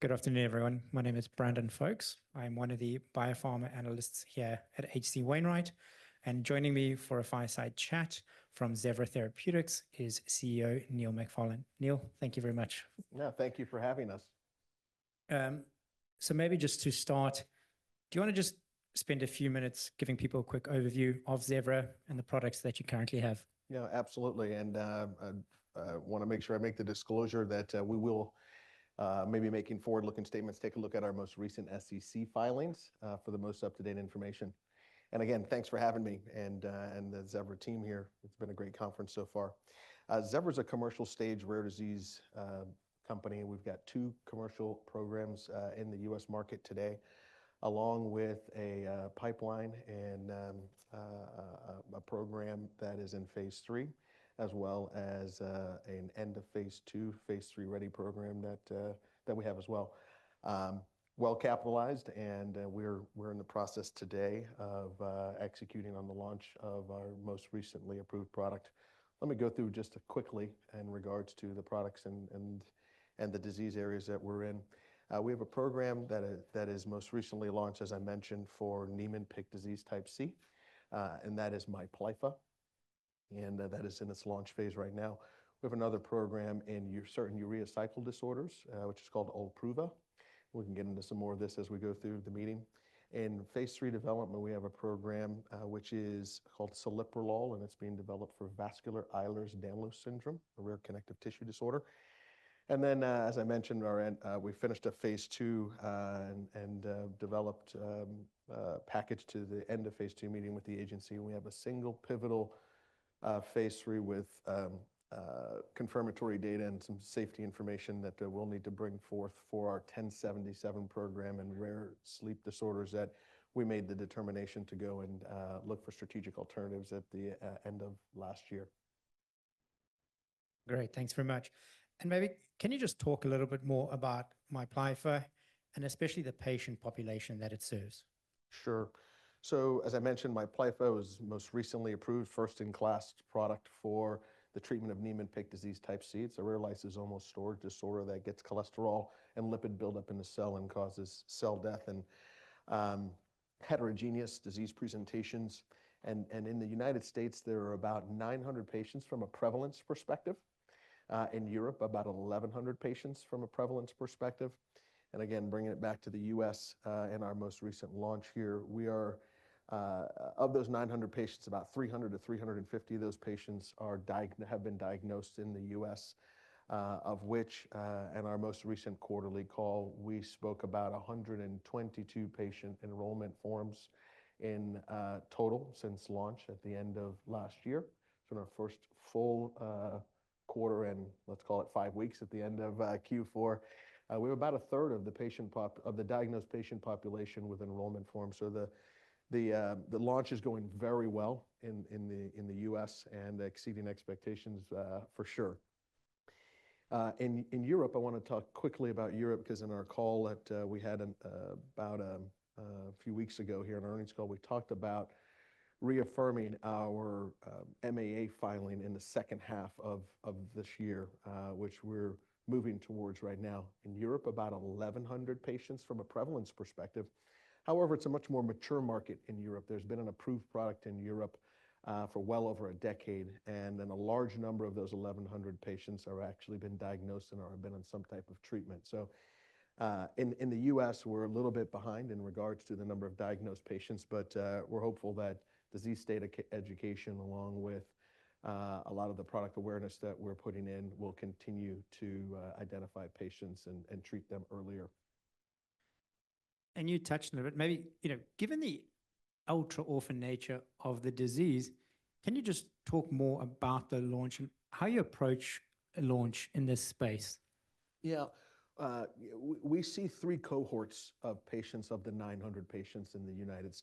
All right. Good afternoon, everyone. My name is Brandon Fokes. I am one of the biopharma analysts here at HC Wainwright, and joining me for a fireside chat from Zevra Therapeutics is CEO Neil McFarlane. Neil, thank you very much. Yeah, thank you for having us. Maybe just to start, do you want to just spend a few minutes giving people a quick overview of Zevra and the products that you currently have? Yeah, absolutely. I want to make sure I make the disclosure that we will maybe be making forward-looking statements, take a look at our most recent SEC filings for the most up-to-date information. Again, thanks for having me and the Zevra team here. It's been a great conference so far. Zevra is a commercial stage rare disease company. We've got two commercial programs in the U.S. market today, along with a pipeline and a program that is in phase three, as well as an end of phase two, phase three ready program that we have as well. Well capitalized, and we're in the process today of executing on the launch of our most recently approved product. Let me go through just quickly in regards to the products and the disease areas that we're in. We have a program that is most recently launched, as I mentioned, for Niemann-Pick disease type C, and that is MIPLYFFA. That is in its launch phase right now. We have another program in certain urea cycle disorders, which is called OLPRUVA. We can get into some more of this as we go through the meeting. In phase 3 development, we have a program which is called Celiprolol, and it's being developed for vascular Ehlers-Danlos syndrome, a rare connective tissue disorder. As I mentioned, we finished a phase 2 and developed a package to the end of phase 2 meeting with the agency. We have a single pivotal phase 3 with confirmatory data and some safety information that we'll need to bring forth for our KP1077 program and rare sleep disorders that we made the determination to go and look for strategic alternatives at the end of last year. Great. Thanks very much. Maybe can you just talk a little bit more about MIPLYFFA and especially the patient population that it serves? Sure. As I mentioned, MIPLYFFA was most recently approved first-in-class product for the treatment of Niemann-Pick disease type C. It's a rare lysosomal storage disorder that gets cholesterol and lipid buildup in the cell and causes cell death and heterogeneous disease presentations. In the U.S., there are about 900 patients from a prevalence perspective. In Europe, about 1,100 patients from a prevalence perspective. Again, bringing it back to the U.S. and our most recent launch here, we are of those 900 patients, about 300-350 of those patients have been diagnosed in the U.S., of which, in our most recent quarterly call, we spoke about 122 patient enrollment forms in total since launch at the end of last year. In our first full quarter and let's call it five weeks at the end of Q4, we have about a third of the diagnosed patient population with enrollment forms. The launch is going very well in the U.S. and exceeding expectations for sure. In Europe, I want to talk quickly about Europe because in our call that we had about a few weeks ago here in our earnings call, we talked about reaffirming our MAA filing in the second half of this year, which we're moving towards right now in Europe, about 1,100 patients from a prevalence perspective. However, it's a much more mature market in Europe. There's been an approved product in Europe for well over a decade, and then a large number of those 1,100 patients have actually been diagnosed and have been on some type of treatment. In the U.S., we're a little bit behind in regards to the number of diagnosed patients, but we're hopeful that disease state education, along with a lot of the product awareness that we're putting in, will continue to identify patients and treat them earlier. You touched on it, but maybe, you know, given the ultra-orphan nature of the disease, can you just talk more about the launch and how you approach a launch in this space? Yeah, we see three cohorts of patients of the 900 patients in the U.S.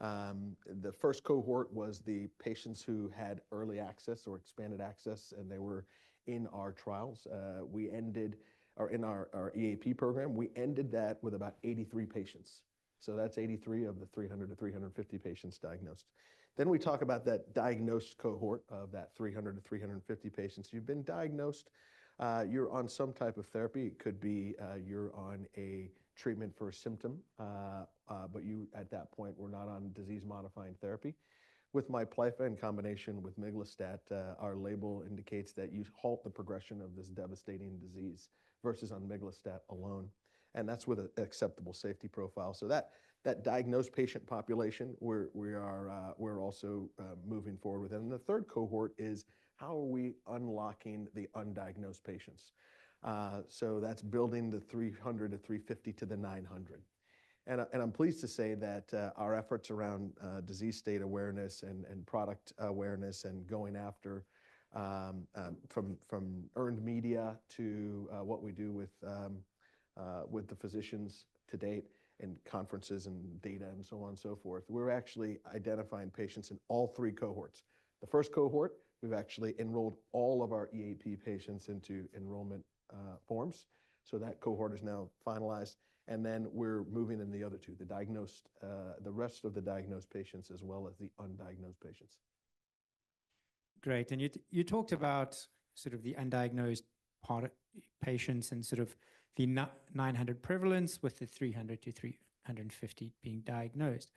The first cohort was the patients who had early access or expanded access, and they were in our trials. We ended, or in our EAP program, we ended that with about 83 patients. So that's 83 of the 300-350 patients diagnosed. Then we talk about that diagnosed cohort of that 300-350 patients. You've been diagnosed, you're on some type of therapy. It could be you're on a treatment for a symptom, but you at that point were not on disease-modifying therapy. With MIPLYFFA in combination with Miglustat, our label indicates that you halt the progression of this devastating disease versus on Miglustat alone. And that's with an acceptable safety profile. So that diagnosed patient population, we are also moving forward with. The third cohort is how are we unlocking the undiagnosed patients? That is building the 300-350 to the 900. I'm pleased to say that our efforts around disease state awareness and product awareness and going after from earned media to what we do with the physicians to date and conferences and data and so on and so forth, we're actually identifying patients in all three cohorts. The first cohort, we've actually enrolled all of our EAP patients into enrollment forms. That cohort is now finalized. We're moving in the other two, the rest of the diagnosed patients as well as the undiagnosed patients. Great. You talked about sort of the undiagnosed patients and sort of the 900 prevalence with the 300-350 being diagnosed.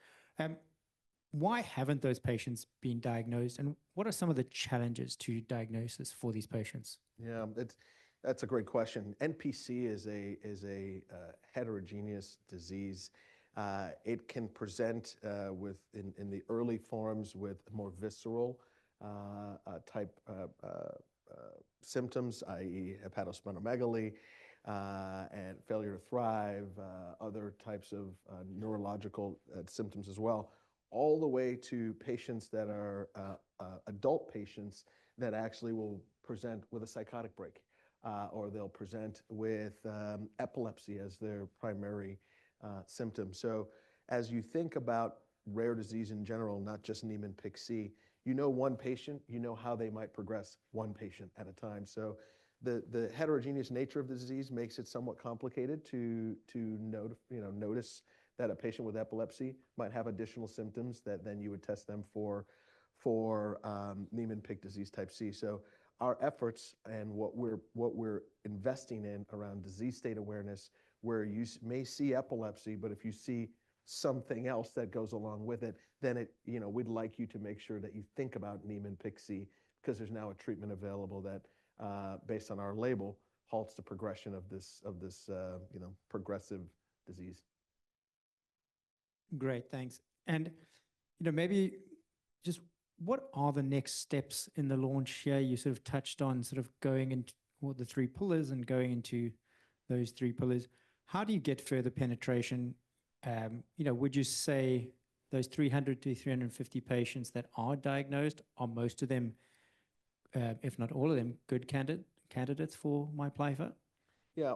Why haven't those patients been diagnosed? What are some of the challenges to diagnosis for these patients? Yeah, that's a great question. NPC is a heterogeneous disease. It can present in the early forms with more visceral type symptoms, i.e., hepatosplenomegaly and failure to thrive, other types of neurological symptoms as well, all the way to patients that are adult patients that actually will present with a psychotic break or they'll present with epilepsy as their primary symptom. As you think about rare disease in general, not just Niemann-Pick C, you know one patient, you know how they might progress one patient at a time. The heterogeneous nature of the disease makes it somewhat complicated to notice that a patient with epilepsy might have additional symptoms that then you would test them for Niemann-Pick disease type C. Our efforts and what we're investing in around disease state awareness, where you may see epilepsy, but if you see something else that goes along with it, then we'd like you to make sure that you think about Niemann-Pick disease type C because there's now a treatment available that, based on our label, halts the progression of this progressive disease. Great, thanks. Maybe just what are the next steps in the launch here? You sort of touched on sort of going into what the three pillars and going into those three pillars. How do you get further penetration? Would you say those 300-350 patients that are diagnosed, are most of them, if not all of them, good candidates for MIPLYFFA? Yeah,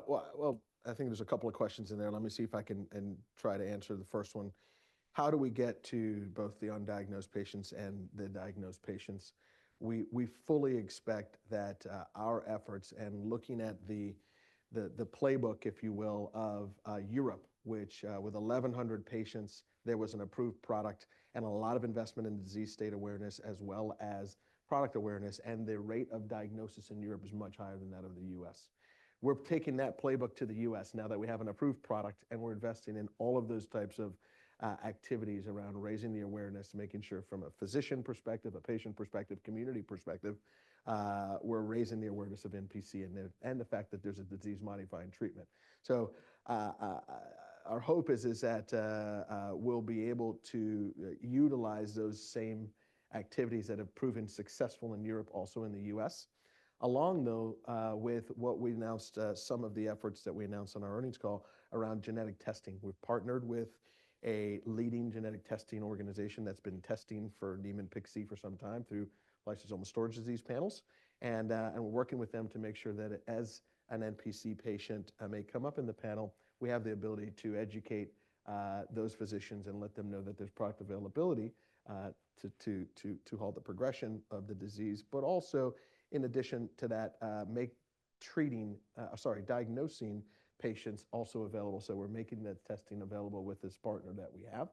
I think there's a couple of questions in there. Let me see if I can try to answer the first one. How do we get to both the undiagnosed patients and the diagnosed patients? We fully expect that our efforts and looking at the playbook, if you will, of Europe, which with 1,100 patients, there was an approved product and a lot of investment in disease state awareness as well as product awareness, and the rate of diagnosis in Europe is much higher than that of the U.S. We're taking that playbook to the U.S. now that we have an approved product, and we're investing in all of those types of activities around raising the awareness, making sure from a physician perspective, a patient perspective, community perspective, we're raising the awareness of NPC and the fact that there's a disease-modifying treatment. Our hope is that we'll be able to utilize those same activities that have proven successful in Europe, also in the U.S., along with what we announced, some of the efforts that we announced on our earnings call around genetic testing. We've partnered with a leading genetic testing organization that's been testing for Niemann-Pick disease type C for some time through lysosomal storage disorder panels. We're working with them to make sure that as an NPC patient may come up in the panel, we have the ability to educate those physicians and let them know that there's product availability to halt the progression of the disease, but also in addition to that, make treating, sorry, diagnosing patients also available. We're making that testing available with this partner that we have.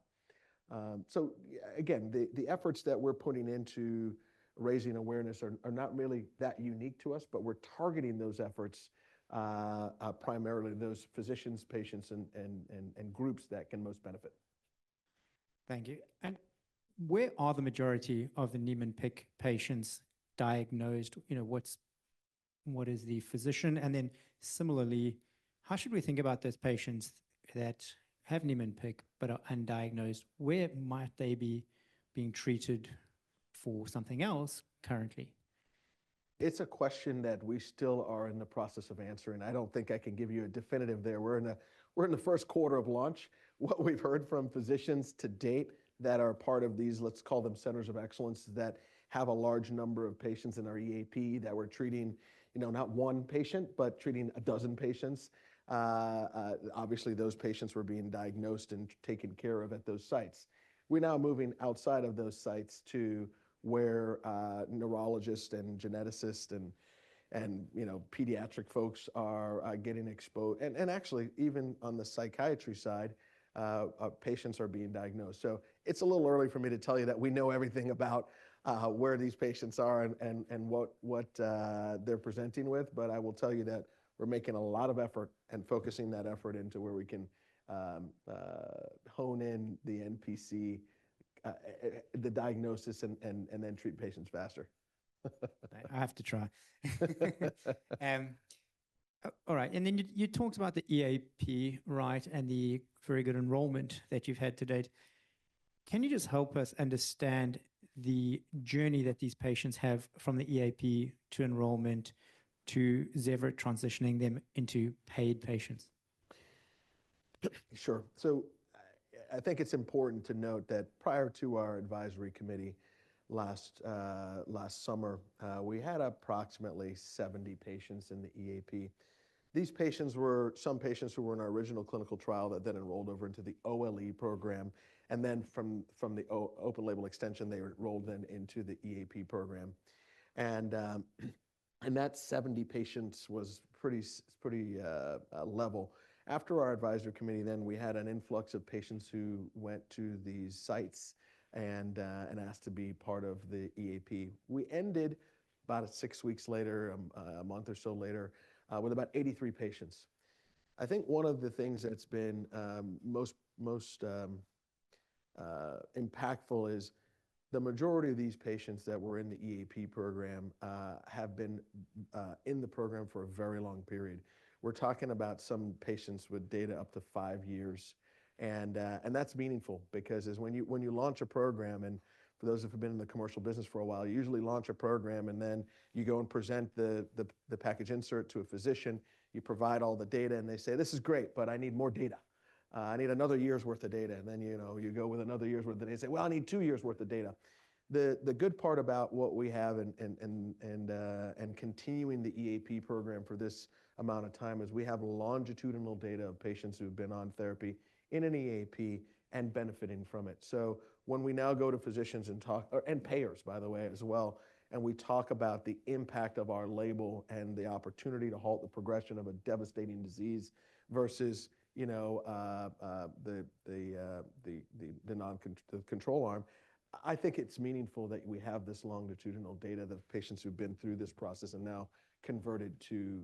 Again, the efforts that we're putting into raising awareness are not really that unique to us, but we're targeting those efforts primarily to those physicians, patients, and groups that can most benefit. Thank you. Where are the majority of the Niemann-Pick patients diagnosed? What is the physician? Similarly, how should we think about those patients that have Niemann-Pick but are undiagnosed? Where might they be being treated for something else currently? It's a question that we still are in the process of answering. I don't think I can give you a definitive there. We're in the first quarter of launch. What we've heard from physicians to date that are part of these, let's call them centers of excellence that have a large number of patients in our EAP that we're treating, not one patient, but treating a dozen patients. Obviously, those patients were being diagnosed and taken care of at those sites. We're now moving outside of those sites to where neurologists and geneticists and pediatric folks are getting exposed. Actually, even on the psychiatry side, patients are being diagnosed. It's a little early for me to tell you that we know everything about where these patients are and what they're presenting with. I will tell you that we're making a lot of effort and focusing that effort into where we can hone in the NPC, the diagnosis, and then treat patients faster. I have to try. All right. You talked about the EAP, right, and the very good enrollment that you've had to date. Can you just help us understand the journey that these patients have from the EAP to enrollment to Zevra transitioning them into paid patients? Sure. I think it's important to note that prior to our advisory committee last summer, we had approximately 70 patients in the EAP. These patients were some patients who were in our original clinical trial that then enrolled over into the OLE program. From the open label extension, they were enrolled then into the EAP program. That 70 patients was pretty level. After our advisory committee, we had an influx of patients who went to these sites and asked to be part of the EAP. We ended about six weeks later, a month or so later, with about 83 patients. I think one of the things that's been most impactful is the majority of these patients that were in the EAP program have been in the program for a very long period. We're talking about some patients with data up to five years. That is meaningful because when you launch a program, and for those who have been in the commercial business for a while, you usually launch a program and then you go and present the package insert to a physician, you provide all the data and they say, "This is great, but I need more data. I need another year's worth of data." You go with another year's worth of data. They say, "Well, I need two years' worth of data." The good part about what we have and continuing the EAP program for this amount of time is we have longitudinal data of patients who have been on therapy in an EAP and benefiting from it. When we now go to physicians and payers, by the way, as well, and we talk about the impact of our label and the opportunity to halt the progression of a devastating disease versus the control arm, I think it's meaningful that we have this longitudinal data of patients who've been through this process and now converted to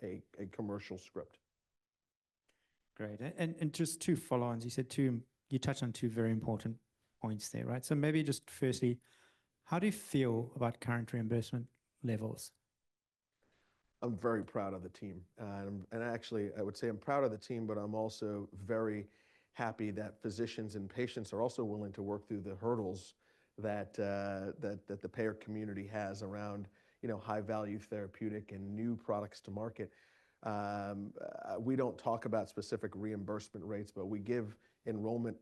a commercial script. Great. Just two follow-ons. You touched on two very important points there, right? Maybe just firstly, how do you feel about current reimbursement levels? I'm very proud of the team. I would say I'm proud of the team, but I'm also very happy that physicians and patients are also willing to work through the hurdles that the payer community has around high-value therapeutic and new products to market. We do not talk about specific reimbursement rates, but we give enrollment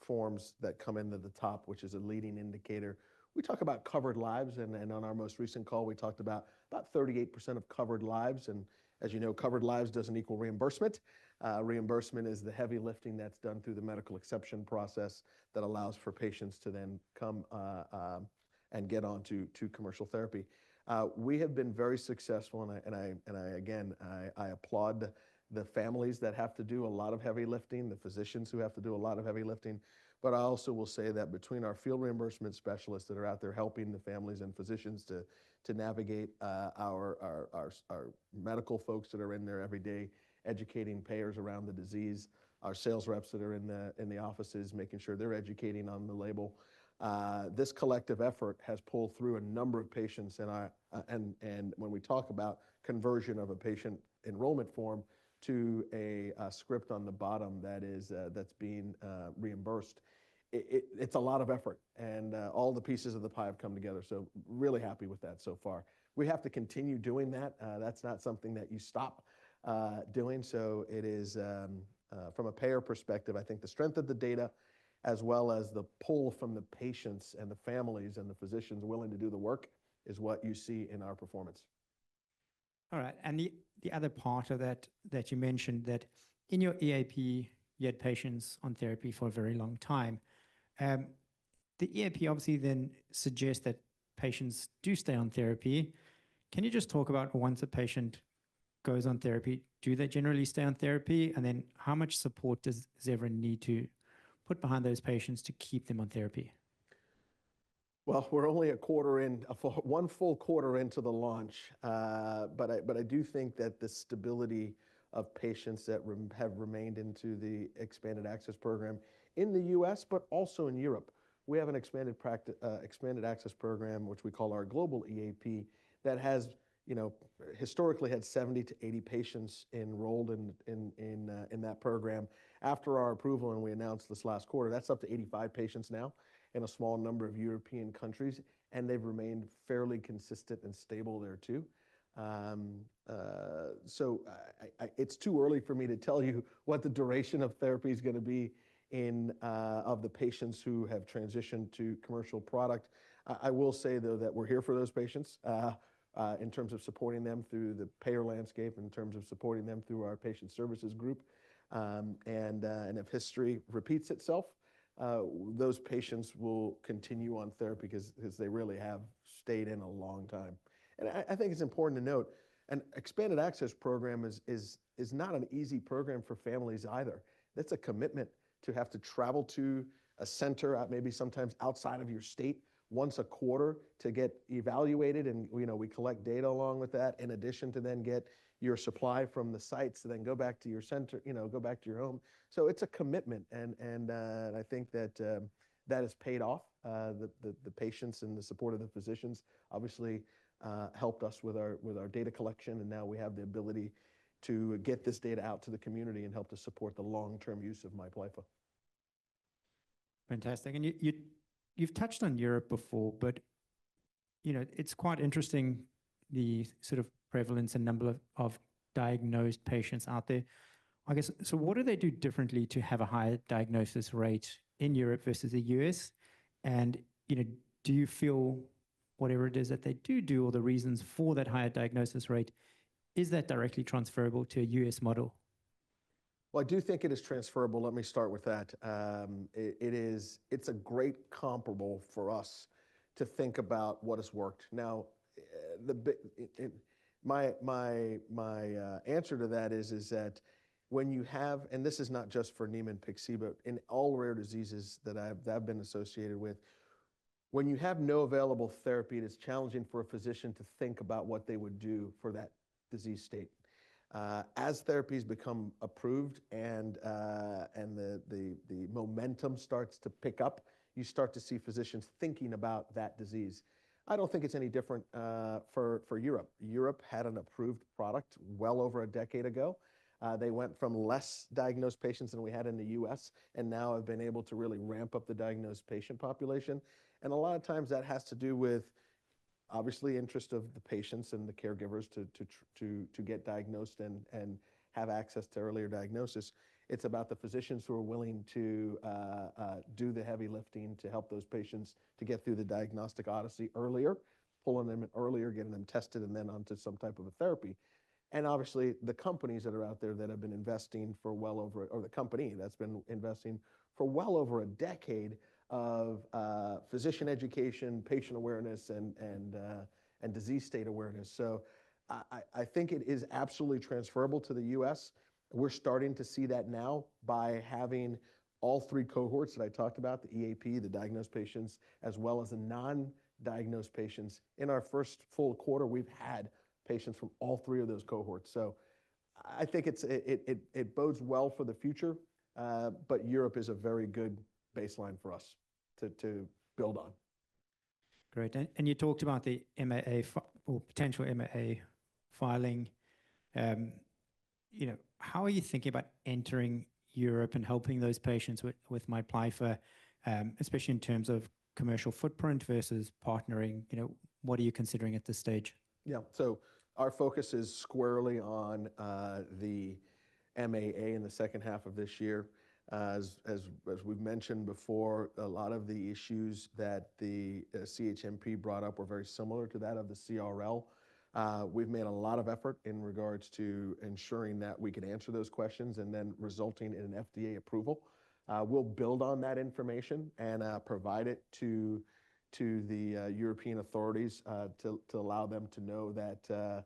forms that come into the top, which is a leading indicator. We talk about covered lives. On our most recent call, we talked about 38% of covered lives. As you know, covered lives does not equal reimbursement. Reimbursement is the heavy lifting that is done through the medical exception process that allows for patients to then come and get on to commercial therapy. We have been very successful. I applaud the families that have to do a lot of heavy lifting, the physicians who have to do a lot of heavy lifting. I also will say that between our field reimbursement specialists that are out there helping the families and physicians to navigate, our medical folks that are in there every day educating payers around the disease, our sales reps that are in the offices making sure they're educating on the label. This collective effort has pulled through a number of patients. When we talk about conversion of a patient enrollment form to a script on the bottom that's being reimbursed, it's a lot of effort. All the pieces of the pie have come together. Really happy with that so far. We have to continue doing that. That's not something that you stop doing. From a payer perspective, I think the strength of the data as well as the pull from the patients and the families and the physicians willing to do the work is what you see in our performance. All right. The other part of that that you mentioned, that in your EAP, you had patients on therapy for a very long time. The EAP obviously then suggests that patients do stay on therapy. Can you just talk about once a patient goes on therapy, do they generally stay on therapy? How much support does Zevra need to put behind those patients to keep them on therapy? We're only a quarter in, one full quarter into the launch. I do think that the stability of patients that have remained in the expanded access program in the U.S., but also in Europe, we have an expanded access program, which we call our global EAP that has historically had 70-80 patients enrolled in that program. After our approval and we announced this last quarter, that's up to 85 patients now in a small number of European countries. They've remained fairly consistent and stable there too. It's too early for me to tell you what the duration of therapy is going to be of the patients who have transitioned to commercial product. I will say, though, that we're here for those patients in terms of supporting them through the payer landscape, in terms of supporting them through our patient services group. If history repeats itself, those patients will continue on therapy because they really have stayed in a long time. I think it's important to note an Expanded Access Program is not an easy program for families either. That's a commitment to have to travel to a center maybe sometimes outside of your state once a quarter to get evaluated. We collect data along with that in addition to then get your supply from the sites to then go back to your center, go back to your home. It's a commitment. I think that that has paid off. The patients and the support of the physicians obviously helped us with our data collection. Now we have the ability to get this data out to the community and help to support the long-term use of MIPLYFFA. Fantastic. You have touched on Europe before, but it is quite interesting the sort of prevalence and number of diagnosed patients out there. I guess, what do they do differently to have a higher diagnosis rate in Europe versus the U.S.? Do you feel whatever it is that they do or the reasons for that higher diagnosis rate, is that directly transferable to a U.S. model? I do think it is transferable. Let me start with that. It's a great comparable for us to think about what has worked. Now, my answer to that is that when you have, and this is not just for Niemann-Pick disease type C, but in all rare diseases that I've been associated with, when you have no available therapy, it is challenging for a physician to think about what they would do for that disease state. As therapies become approved and the momentum starts to pick up, you start to see physicians thinking about that disease. I don't think it's any different for Europe. Europe had an approved product well over a decade ago. They went from fewer diagnosed patients than we had in the U.S. and now have been able to really ramp up the diagnosed patient population. A lot of times that has to do with obviously interest of the patients and the caregivers to get diagnosed and have access to earlier diagnosis. It is about the physicians who are willing to do the heavy lifting to help those patients to get through the diagnostic odyssey earlier, pulling them in earlier, getting them tested, and then onto some type of a therapy. Obviously, the companies that are out there that have been investing for well over, or the company that has been investing for well over a decade of physician education, patient awareness, and disease state awareness. I think it is absolutely transferable to the U.S. We are starting to see that now by having all three cohorts that I talked about, the EAP, the diagnosed patients, as well as the non-diagnosed patients. In our first full quarter, we have had patients from all three of those cohorts. I think it bodes well for the future, but Europe is a very good baseline for us to build on. Great. You talked about the MAA or potential MAA filing. How are you thinking about entering Europe and helping those patients with MIPLYFFA, especially in terms of commercial footprint versus partnering? What are you considering at this stage? Yeah. So our focus is squarely on the MAA in the second half of this year. As we've mentioned before, a lot of the issues that the CHMP brought up were very similar to that of the CRL. We've made a lot of effort in regards to ensuring that we can answer those questions and then resulting in an FDA approval. We'll build on that information and provide it to the European authorities to allow them to know that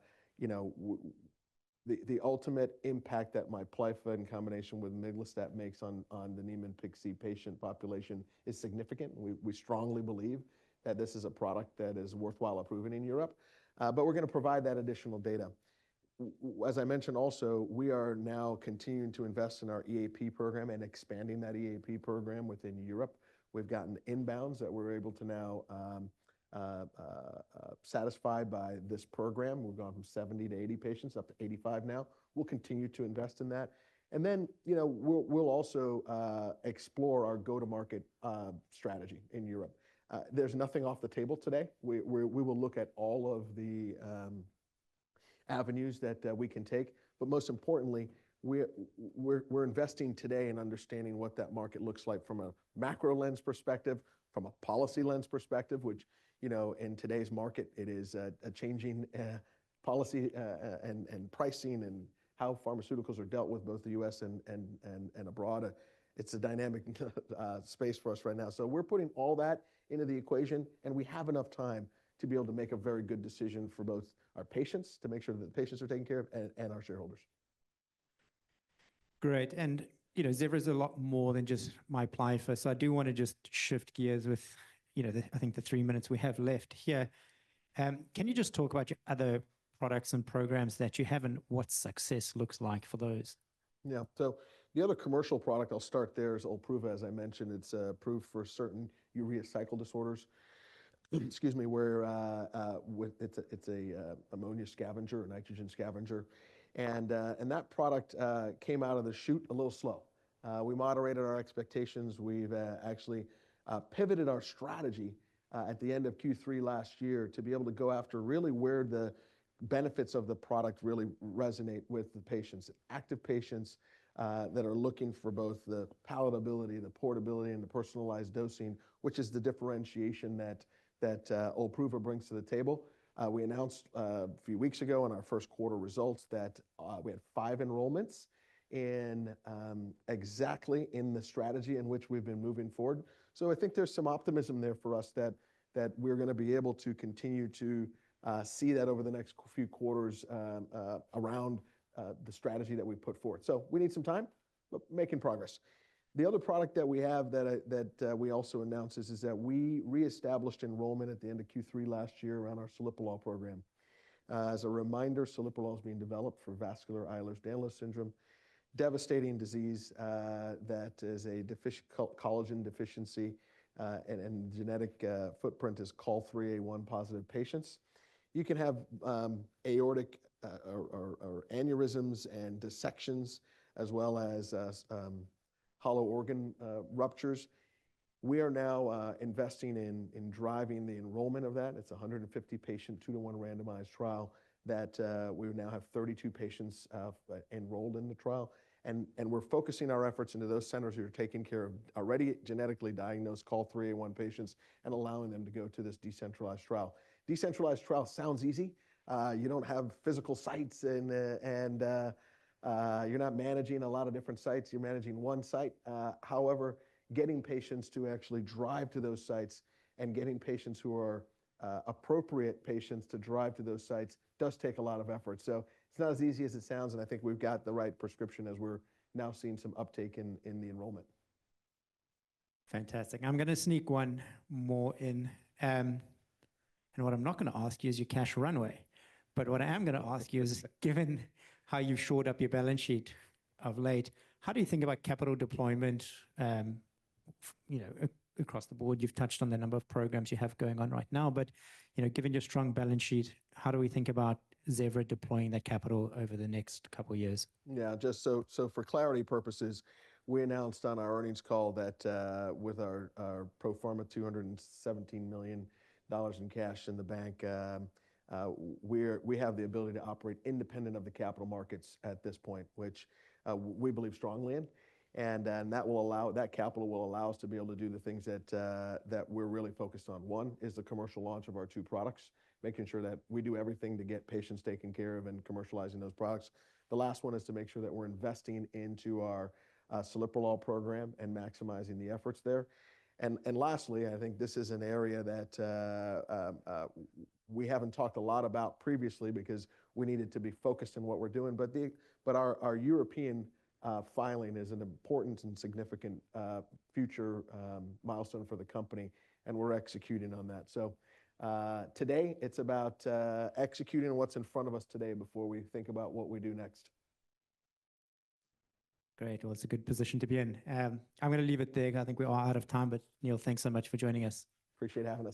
the ultimate impact that MIPLYFFA in combination with Miglustat makes on the Niemann-Pick disease type C patient population is significant. We strongly believe that this is a product that is worthwhile approving in Europe. We are going to provide that additional data. As I mentioned also, we are now continuing to invest in our EAP program and expanding that EAP program within Europe. We've gotten inbounds that we're able to now satisfy by this program. We've gone from 70-80 patients up to 85 now. We'll continue to invest in that. We'll also explore our go-to-market strategy in Europe. There's nothing off the table today. We will look at all of the avenues that we can take. Most importantly, we're investing today in understanding what that market looks like from a macro lens perspective, from a policy lens perspective, which in today's market, it is a changing policy and pricing and how pharmaceuticals are dealt with both the U.S. and abroad. It's a dynamic space for us right now. We're putting all that into the equation. We have enough time to be able to make a very good decision for both our patients to make sure that the patients are taken care of and our shareholders. Great. Zevra is a lot more than just Miplyffa. I do want to just shift gears with, I think, the three minutes we have left here. Can you just talk about your other products and programs that you have and what success looks like for those? Yeah. The other commercial product, I'll start there, is OLPRUVA, as I mentioned. It's approved for certain urea cycle disorders. Excuse me, where it's an ammonia scavenger, a nitrogen scavenger. That product came out of the chute a little slow. We moderated our expectations. We've actually pivoted our strategy at the end of Q3 last year to be able to go after really where the benefits of the product really resonate with the patients. Active patients that are looking for both the palatability, the portability, and the personalized dosing, which is the differentiation that OLPRUVA brings to the table. We announced a few weeks ago in our first quarter results that we had five enrollments exactly in the strategy in which we've been moving forward. I think there's some optimism there for us that we're going to be able to continue to see that over the next few quarters around the strategy that we've put forward. We need some time, but making progress. The other product that we have that we also announced is that we reestablished enrollment at the end of Q3 last year around our Celiprolol program. As a reminder, Celiprolol is being developed for vascular Ehlers-Danlos syndrome, a devastating disease that is a collagen deficiency and genetic footprint is called 3A1 positive patients. You can have aortic aneurysms and dissections as well as hollow organ ruptures. We are now investing in driving the enrollment of that. It's a 150-patient two-to-one randomized trial that we now have 32 patients enrolled in the trial. We're focusing our efforts into those centers who are taking care of already genetically diagnosed call 3A1 patients and allowing them to go to this decentralized trial. Decentralized trial sounds easy. You don't have physical sites and you're not managing a lot of different sites. You're managing one site. However, getting patients to actually drive to those sites and getting patients who are appropriate patients to drive to those sites does take a lot of effort. It's not as easy as it sounds. I think we've got the right prescription as we're now seeing some uptake in the enrollment. Fantastic. I'm going to sneak one more in. What I'm not going to ask you is your cash runway. What I am going to ask you is, given how you've shored up your balance sheet of late, how do you think about capital deployment across the board? You've touched on the number of programs you have going on right now. Given your strong balance sheet, how do we think about Zevra deploying that capital over the next couple of years? Yeah. Just so for clarity purposes, we announced on our earnings call that with our pro forma $217 million in cash in the bank, we have the ability to operate independent of the capital markets at this point, which we believe strongly in. That capital will allow us to be able to do the things that we're really focused on. One is the commercial launch of our two products, making sure that we do everything to get patients taken care of and commercializing those products. The last one is to make sure that we're investing into our Celiprolol program and maximizing the efforts there. Lastly, I think this is an area that we haven't talked a lot about previously because we needed to be focused on what we're doing. Our European filing is an important and significant future milestone for the company. We're executing on that. Today, it's about executing what's in front of us today before we think about what we do next. Great. It is a good position to be in. I am going to leave it there. I think we are out of time. Neil, thanks so much for joining us. Appreciate having me.